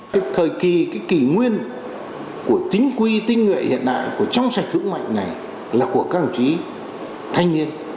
cái thời kỳ cái kỷ nguyên của chính quy tinh nguyện hiện đại của trong sạch vững mạnh này là của các đồng chí thanh niên